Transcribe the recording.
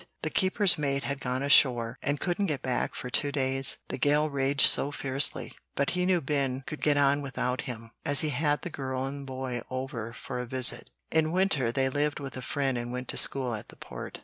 The keeper's mate had gone ashore and couldn't get back for two days, the gale raged so fiercely; but he knew Ben could get on without him, as he had the girl and boy over for a visit. In winter they lived with a friend and went to school at the Port.